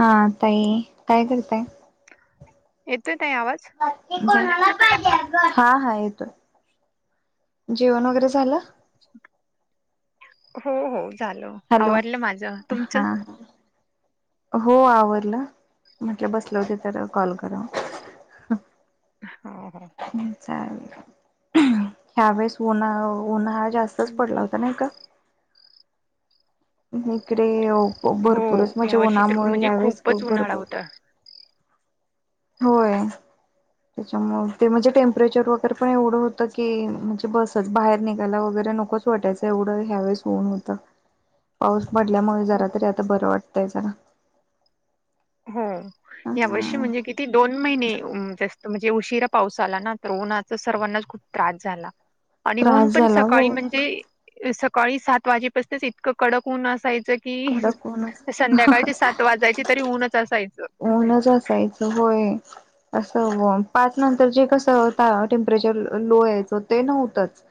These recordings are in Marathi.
हा ताई काय करताय? येतोय ताई आवाज? हा हा येतोय. जेवण वगैरे झालं? हो हो झालं हॅलो आवरलं माझं. हा तुमचं? हो आवरलं. म्हटलं बसलं होते तर कॉल कराव. हो हो. चालेल ह्या, वेळेस उन उन्हाळा जास्त. पाऊस पडला होता नाही का? इकडे हो भरपूरच म्हणजे, या वर्षी तर उन्हामुळे म्हणजे ह्यावेळेस खूपच खूप उन्हाळा भरपूर. होता. होय. तेच्यामुळे ते म्हणजे टेम्परेचर वगैरे पण एवढं होतं, की म्हणजे बसच बाहेर निघायला वगैरे नकोच. छोट्याच एवढं ह्यावेळेस ऊन होतं. पाऊस पडल्यामुळे जरा तरी आता बरं वाटतंय जरा. हो. यावर्षी अ म्हणजे किती. ती दोन महिने जास्त म्हणजे उशिरा पाऊस आला ना, तर उन्हाचा सर्वांनाच खूप त्रास झाला. [inaudible] आणि ऊन पण झाला हो सकाळी म्हणजे सकाळी सात वाजेपासनच इतकं कडक ऊन असायचं. कडक ऊनच. कि संध्याकाळची सात वाजायची, तरी ऊनच असायचं. ऊनच असा आहे की होय. असं पाच नंतर जे कसं आता टेम्परेचर लो यायचं ते नव्हतंच.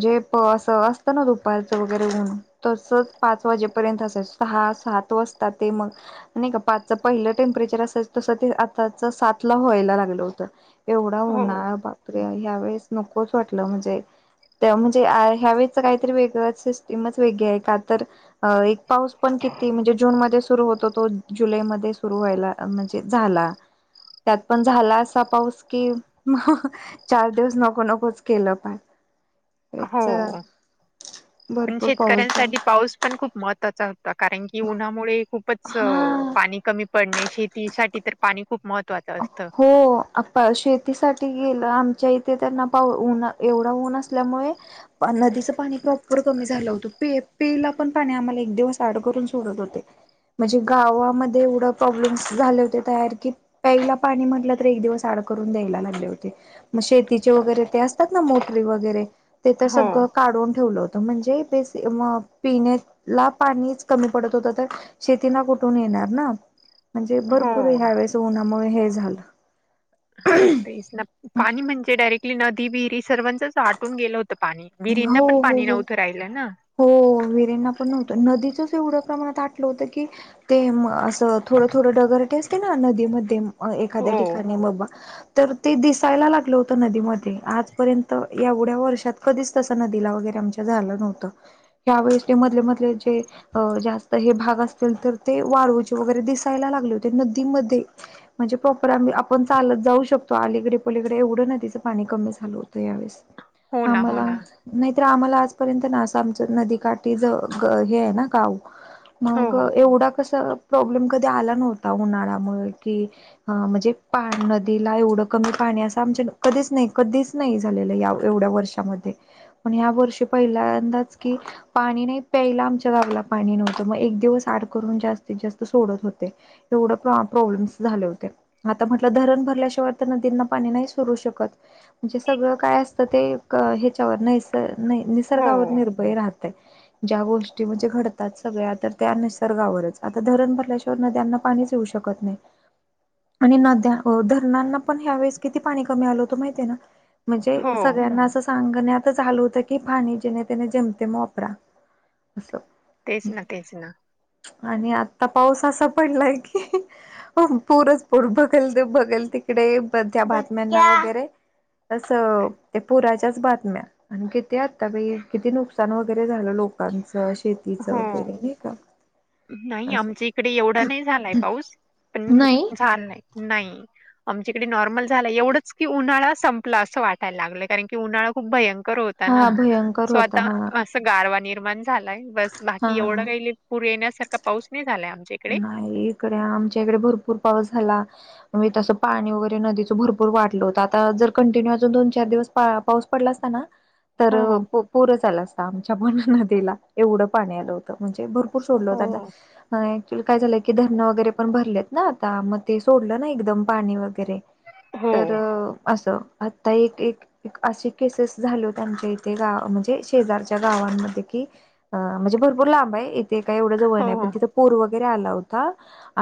जे प अस असतं ना, दुपारचं वगैरे ऊन. तसंच पाच वाजेपर्यंत असायच‌. सहा सात वाजता ते मग नाही का पाचच पहिलं टेम्परेचर असायच तस ते आताचा, सात ला व्हायला लागलं होतं एवढा हो उन्हाळा. तर ह्या वेळेस नकोच वाटलं म्हणजे त्या म्हणजे ह्यावेेळेच काहीतरी वेगळं, सिस्टीमच वेगळी आहे का तर. अ एक पाऊस पण किती म्हणजे, जूनमध्ये सुरू होतो तो जुलैमध्ये. सुरू व्हायला म्हणजे झाला. त्यात पण झाला असा पाऊस की चार दिवस नको नकोच केलं पण. हो पण भरपूर पाऊस शेतकऱ्यांसाठी झाला पाऊस पण खूप महत्त्वाचा होता, कारण की उन्हामुळे खूपच हा. पाणी कमी पडणे शेतीसाठी तर पाणी खूप महत् हो. शेतीसाठी गेलं आमच्या इथे, त्यांना पाऊ न एवढा ऊन असल्यामुळे. नदीचं पाणी प्रॉपर कमी झालं होतं. पि-पियाला पण पाणी आम्हाला एक दिवस आड करून सोडत होते. म्हणजे गावामध्ये एवढं प्रॉब्लेम्स झाले होते तयार की पहिला पाणी म्हटलं तर एक दिवस आड करून द्यायला लागले होते. मग शेतीचे वगैरे ते असतात ना मोटरी वगैरे, ते तर हो सगळं काढून ठेवलं होतं. तो म्हणजे बेसी मग पिण्यात ला पाणीच कमी पडत होत, तर शेतीनां कुठून येणार ना. म्हणजे हो भरपूर ह्या वेळेस उन्हामुळं हे झालं तेच ना पाणी म्हणजे, डायरेक्टली नदी विहिरी सर्वांचंच. आटून गेलं होत पाणी. विहिरींना हो पण हो पाणी हो नव्हतं राहिलं ना. हो विहिरींना पण नव्हतं. नदीचंच एवढ्या प्रमाणात आटलंवतं की ते असं थोडं थोडं डगरटे असते ना नदीमध्ये अ हो एखाद्या ठिकाणी बघा तर ते दिसायला लागलं होतं नदीमध्ये आजपर्यंत एवढ्या वर्षात कधीच तसं नदीला वगैरे आमच्या झालं नव्हतं. यावेेळेस ते मधले-मधले जे अ जास्त हे भाग असतील तर ते वाळूवूचे वगैरे दिसायला लागले होते नदीमध्ये. म्हणजे प्रॉपर आ आपण चालत जाऊ शकतो. अलीकडे पलीकडे एवढं, ना तिचं पाणी कमी झालं होतं यावेेळेस. हो ना हो आम्हाला ना नाही तरआम्हाला आजपर्यंत नास आमचं नदीकाठी ज हे आहे ना गाव, हो मग हो एवढा कसं. प्रॉब्लेम कधी आला नव्हता उन्हाळ्यामुळे की हं म्हणजे पा नदीला एवढं कमी पाणी असं, आमच्या कधीच नाही कधीच. नाही झालेला या एवढ्या वर्षामध्ये पण या वर्षी पहिल्यांदाच की पाणी नाही प्यायला आमच्या गावाला पाणी नव्हतं. मग एक दिवस आड करून जास्तीत जास्त सोडत होते. तेवढ प्रॉब्लेम्स झाले होते. आता म्हटलं धरण भरल्याशिवाय तर नदींना पाणी नाही सुरू शकत. म्हणजे सगळं काय असतं ते क ह्याच्यावर नैस नै हो निसर्गावर निर ते राहते ज्या गोष्टी म्हणजे घडतात सगळ्या तर त्या निसर्गावरच आता धरण भरल्याशि त्या नद्यांना पाणीच येऊ शकत नाही. आणि नद्या धरणांना पण ह्या, वेळेस किती पाणी कमी आलं होत माहिती आहे ना. म्हणजे हो सगळ्यांना असं सांगणे आता झालू होतं की पाणी जेणे त्याने जम ते मोपरा असं. तेच ना, तेच ना. आणि आता पाऊस असा पडलाय की हो पूरच पूर बघल बघल, तिकडे त्या बातम्यांनी वगैरे. तस ते पुराच्याच बातम्या, आणि किती आता किती नुकसान. सान वगैरे झालं लोकांचं शेतीचं हो वगैरे नाही का. नाही असं आमच्या इकडे एवढा नाही झालाय पाऊस पण नाही झान नाय नाही. आमच्याकडे नॉर्मल झाला. एवढंच की उन्हाळा संपला असं वाटायला लागलंय कारण, की उन्हाळा खूप भयंकर होत. हा भयंकर होता हा [unintelligible] गारवा निर्माण झालाय बस हा बाकी, एवढा काही पूर येण्यासारखा पाऊस नाही झालाय आम नाही इकडे आमच्या इकडे, भरपूर पाऊस झाला. म्हणजे तसं पाणी वगैरे, नदीचं भरपूर वाढलं होतं जर कंटिन्यू अजून दोन चार दिवस. पाऊस पडला असताना. तर हो हो पूरंच आला असता आमच्या पन, नदीला एवढं पाणी आलं होतं म्हणजे भरपूर. हो [unintelligible] काय झालंय की धरणं वगैरे पण भरलेत ना, आता मग ते सोडलं ना एकदम पाणी वगैरे. ते हो तर असं, आता एक एक. एक अशी केसेस झाले होते आमच्या इथे गाव म्हणजे शेजारच्या गावांमध्ये कि अ म्हणजे भरपूर लांब आहे इथे काय एवढं जवळ हो ना पण हो तिथं पूर्व गेऱ्या आला होता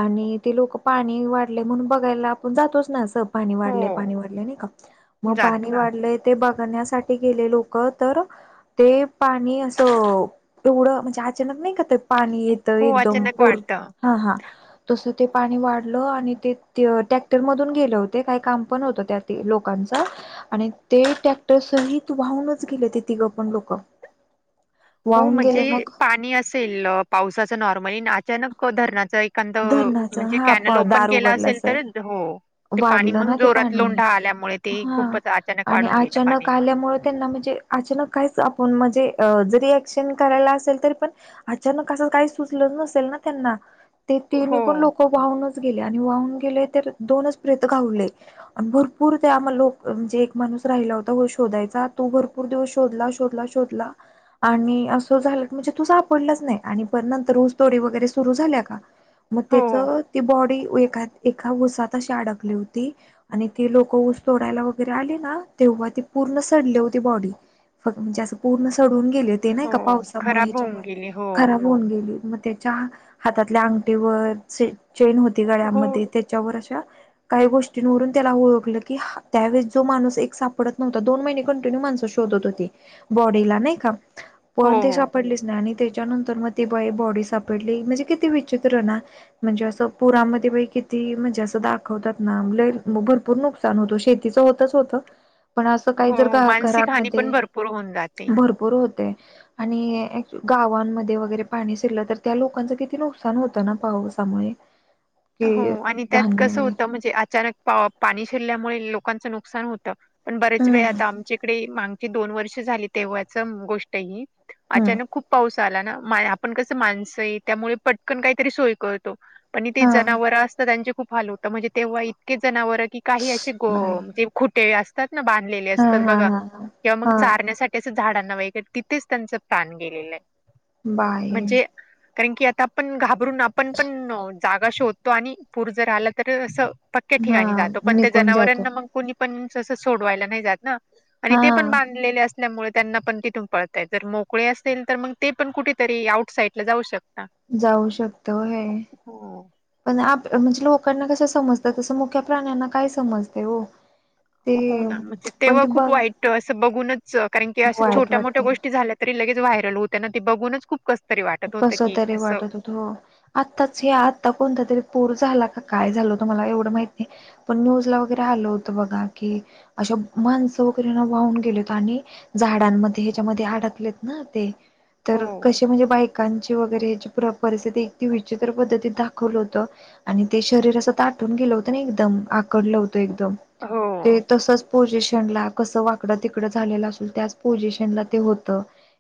आणि ते लोकं पाणी वाढले म्हणून बघायला आपण जातोच ना असं पाणी वाढलंय हो पाणी वाढलंय नाही का, मग पाणी जातो वाढलंय. ते बघण्यासाठी गेले लोकं तर ते पाणी असं एवढं म्हणजे, अचानक नाही का ते पाणी येतं हो एकदम अचानक पूर. वाढतं. हा हा. तस ते पाणी वाढलं, आणि ते टॅक्टर मधून गेलं होतं, काही काम पण होतं त्यात. ते लोकांचा आणि ते ट्रॅक्टर सहित वाहूनच गेले ते तिघं पण लोकं. ह हो म्हणजे पाणी असेल, पावसाच नॉर्मली अचानक धरणाच एक. बंद धरणाच म्हणजे, हा कॅनल ओपन दार केला उघडलं असेल अस तर हो. ते पाणी वाढलं मग ना ते जोरात पाणी लोंढा आल्यामुळे, ते हा खूपच अचानक आणि वाढून गेलं अचानक पाणी. आल्यामुळे त्यांना म्हणजे अचानक काहीच आपण म्हणजे, जरी ॲक्शन करायला असेल तरी पण. अचानक असं काही सुचलं नसेल ना त्यांना. ते हो, तिन्हीपण लोक वाहूनच गेले आणि वाहून गेले तर दोनच प्रेत घावले. आणि भरपूर ते आमला लोक म्हणजे एक माणूस राहिला होता होय शोधायचा. तो भरपूर भरपूर दिवस शोधला, शोधला, शोधला. आणि असं झालं म्हणजे तो, सापडलंच नाही आणि पण नंतर ऊसतोडी वगैरे सुरू झाल्या का. मग त्याच हो, ती बॉडी ए एका उसात अशी अडकली होती. आणि ती लोकं ऊस तोडायला वगैरे आली ना, तेव्हा ती पूर्ण सडली होती बॉडी. फक्त म्हणजे असं पूर्ण सडून गेले होते नाही हो. का पावसामुळे खराब होऊन ह्याच्यामुळे. गेली. हो. खराब होऊन गेले. मग ते हातातल्या अंगठीवर चेन होती, हो, गळ्यामध्ये त्यांच्यावर अशा. काही गोष्टींवरून त्याला ओळखलं की, त्यावेळेस जो माणूस एक सापडत नव्हता. दोन महिने कंटिन्यू माणसं शो शोधत होती, बॉडीला नाही का हो, पण ते हो. सापडलीच नाही, आणि त्याच्यानंतर मग ती बाई बॉडी सापडली म्हणजे किती विचित्र ना. म्हणजे असं पुरामध्ये बाई किती म्हणजे असं दाखवतात ना, लय भरपूर नुकसान शेती होतंच होत, पण अस काही जर हो, मानसिक हानी घरामध्ये पण होऊन जाते. भरपूर. भरपूर होते आणि गावामध्ये वैगेरे, पाणी शिरल तर त्या लोकांच किती नुक नुकसान होतं, ना पावसामुळे. हो कि आणि त्यात धान्य कसं वगैरे होतं, म्हणजे अचानक पा पाणी शिरल्यामुळे लोकांचं नुकसान होतं. पण बरेच हम्म वेळ आता आमच्याकडे, आमची दोन वर्ष झाली तेव्हाची गोष्ट आहे ही. हम्म अचानक खूप पाऊस आला ना, आपण कसं माणसं आहे त्यामुळे पटकन काहीतरी सोय करतो. ती हा जनावर असतात त्यांचे खूप हाल होतं. म्हणजे तेव्हा इतकी जनावर की काही असे बाय. कोण खुटे असतात ना बांधलेले हा असतात हा बघा, हा किंवा मग हा चारण्यासाठी त्याच झाडांना वगैरे तिथेच त्यांच प्राण गेलेलं आहे. बाय म्हणजे कारण की आता आपण घाबरून आपण पण जागा शोधतो आणि पूर जर आला तर, असं पक्क्या हा ठिकाणी जातो, पण त्या निघून जातो जनावरांना मग. कुणीपण सहसा सोडवायला नाही जात ना आणि ते पण हा. बांधलेले अस मुळे त्यांना पण तिथून पळताय. जर मोकळे असेल तर मग ते पण कुठेतरी आउट साईडला जाऊ शकता. जाऊ शकतो होय. हो. पण म्हणजे लोकांना कस समजतय, तसं मुख्या प्राण्यांना काय समजते ओ. हो ना म्हणजे तेव्हा खूप बघ वाईट असं, बघूनच कारण की अशा वाईट छोट्या मोठ्या वाटतं. गोष्टी झाल्यात. तरी लगेच व्हायरल होतं ना, ते बघूनच खूप कसतरी वाटत होतं कस की तरी असं वाटत होत हो. आत्ताच हे आता कोणता तरी‌ पूर झाला कां, काय झालं तु मला एवढं माहित नाही. पण न्यूजला वगैरे आलं होतं बघा की, असे माणसं वगैरे ना वाहून गेलेत आणि. झाडांमध्ये हेच्यामध्ये अडकलेत ना ते, हो तर कसे म्हणजे बाई. वगैरे परिस्थिती इतकी, विचित्र पद्धतीत दाखवल होतं. आणि ते शरीर असं ताटून गेलं होतं ना, एकदम आकडलं होतं एकदम ते हो तसंच. पोझिशन ला कसं वाकडं तिकडं झालेलं, असल त्याच पोझिशन ला ते होत.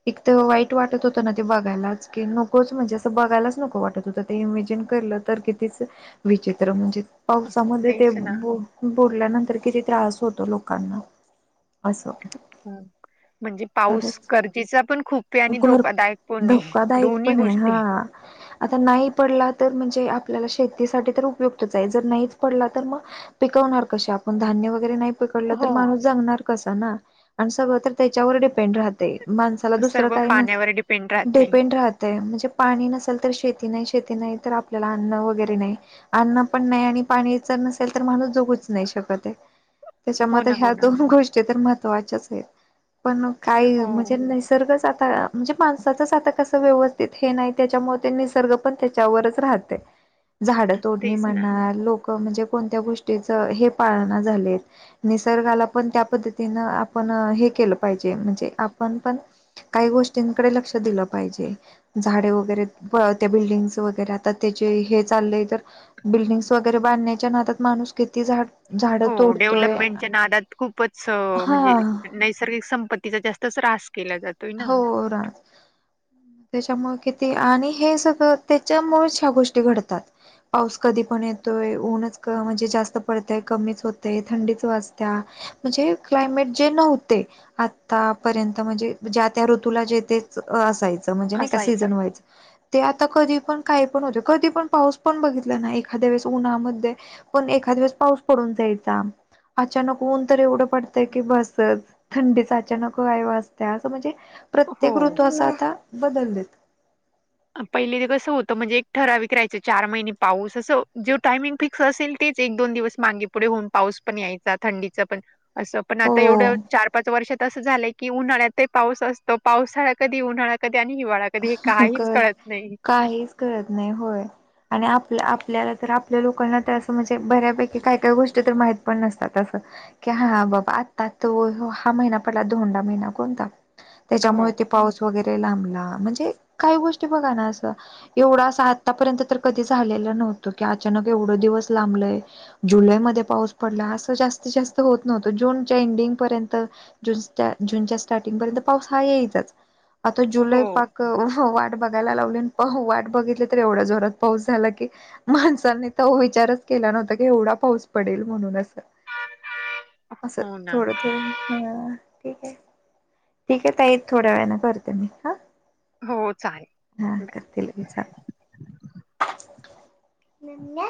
एक तर वाईट वाटत होतं, ना ते बघायलाच. की नकोच म्हणजे असं बघायलाच नको वाटत होतं. ते इमेजिन करलं तर कितीच, विचित्र म्हणजे, पावसामध्ये ते तेच ना बु बुडल्यानंतर किती त्रास होतो लोकांना. असं म्हणजे पाऊस खरंच. गरजेचा पण खूप पे आणि भर धोकादायक कोणी धोकादायक दोन्ही पण आहे गोष्टी. हा. आता नाही पडला तर म्हणजे आपल्याला शेतीसाठी तर उपयुक्तच आहे. जर नाहीच पडला तर मग पिकवणार कसे, आपण धान्य वगैरे नाही. पकडला तर हो. ‌माणूस जगणार कस ना आणि सगळं तर त्याच्यावर डिपेंड राहतंय‌. माणसाला दुस तर सर्व काही नस पाण्यावर डिपेंड राहते. डिपेंड राहत. ते म्हणजे पाणी नसेल, तर शेती नाही. शेती नाही तर आपल्याला अन्न वगैरे नाही. अन्न पण नाही आणि पाणीचर नसेल तर माणूस जगूच नाही शकत. हो त्याच्यामध्ये ना हो ह्या ना दोन गोष्टी तर महत्त्वाच्याच आहे पण काही हो म्हणजे नैसर्गच साताळ्या म्हणजे माणसाच साता कसं व्यवस्थित हे नाही त्याच्यामुळे ते निसर्ग पण त्याच्यावरच राहते. झाड तोडणी तेच ना. म्हणा, लोक म्हणजे कोणत्या गोष्टीच हे पाळ ना झालेत. निसर्गाला पण त्या पद्धतीनं आपण हे केलं पाहिजे म्हणजे आपण पण काही गोष्टींकडे लक्ष दिलं पाहिजे. झाडे वगैरे त्या बिल्डिंग्स वगैरे आता त्याचे हे चाललंय तर बिल्डिंग्स वगैरेचे बांधण्याच्या नादात माणूस किती झाड झाडं हो तोडतोय डेव्हलपमेंटच्या नादात खूपच हा म्हणजे नैसर्गिक संपत्तीचा जास् तस रास केल्या जात. हो रात त्याच्यामुळे किती आणि हे सगळं त्याच्यामुळेच ह्या गोष्टी घडतात. पाऊस कधी पण येतोय ऊनच क म्हणजे जास्त पडतय कमीच होतय थंडीच वाजत्या. म्हणजे क्लायमेट जे नव्हते आतापर्यंत म्हणजे ज्या त्या ऋतूला जे तेच असायचं म्हणजे नाही का असायचं सीझन वाईज. ते आता कधी पण काही पण होते. कधी पण पाऊस पण बघितला ना एखाद्या वेळेस उन्हामध्ये पण एखा दिवस पाऊस पडून जायचा. अचानक ऊन तर एवढं पडतय की बसत थंडीचा अचानक व्हाय वास त्या असं म्हणजे प्रत्येक हो. ऋतू असं आता बदललेत. पहिली ते कसं होतं म्हणजे एक ठरा विकरायच चार महिने पाऊस असं ज्यो टायमिंग फिक् ससेल तेच एक दोन दिवस मागे पुढे होऊन पाऊस पण यायचा थंडीचा पण असं पण आता एवढं हो चार पाच वर्षात असं झालंय की उन्हाळ्यातही पाऊस असतो पावसाळा कधी उन्हाळा कधी आणि हिवाळाया कधी हे क काहीच कळत नाही काहीच कळत नाही होय. आणि आपल्या आपल्याला तर आपल्या लोकांना तर असं म्हणजे बऱ्यापैकी काय काय गोष्टी तर माहित पण नसतात असं. की हा बाबा आत्ता तो हा महिना पडला दोंडा महिना कोणता हो त्याच्यामुळे ते पाऊस वगैरे लांबला म्हणजे काही गोष्टी बघा ना असं एवढ असं आत्तापर्यंत तर कधी झालेलं नव्हतं, की अचानक एवढं दिवस लांबलय. जुलैमध्ये पाऊस पडला असं जास्तीत जास्त होत नव्हतं जूनच्या एंडिंग पर्यंत जुन्स्ता जूनच्या स्टार्टिंग पर्यंत पाऊस हाईचच आता हो जुलै पा क वाट बघायला लावली आणि वाट बघितली तर एवढ्या जोरात पाऊस झाला की माणसांनी तो विचारच केला नव्हता की एवढा पाऊस पडेल म्हणून असं. असं हो ना थोडं थोडे हा ठीक आहे ठीक आहे ताई थोड्या वेळाने करते मी हा. हो चालेल. हा करते लगेच हा. मम्म्या